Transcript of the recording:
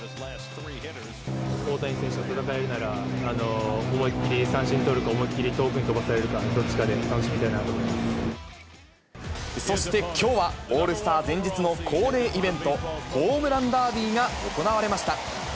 大谷選手と戦えるなら、思い切り三振取るか、思いっ切り遠くに飛ばされるか、どっちかで楽しみたいなと思いまそしてきょうは、オールスター前日の恒例イベント、ホームランダービーが行われました。